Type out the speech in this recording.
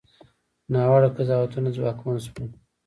ناوړه قضاوتونه ځواکمن شول.